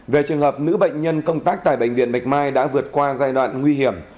về trường hợp nữ bệnh nhân công tác tại bệnh viện bạch mai đã vượt qua giai đoạn nguy hiểm